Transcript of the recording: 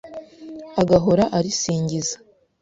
Agahora arisingiza”.